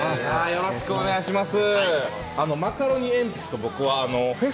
よろしくお願いします。